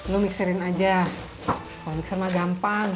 lu mikserin aja mikser gampang